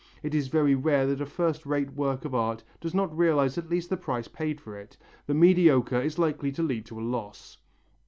It is very rare that a first rate work of art does not realize at least the price paid for it. The mediocre is likely to lead to a loss."